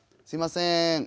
すいません。